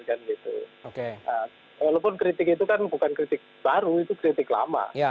walaupun kritik itu kan bukan kritik baru itu kritik lama